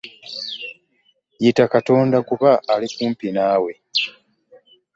Yitta katonda kuba Ali kumpi naawe.